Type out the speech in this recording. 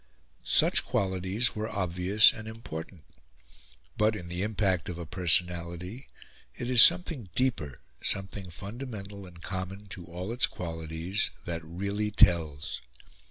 Such qualities were obvious and important; but, in the impact of a personality, it is something deeper, something fundamental and common to all its qualities, that really tells.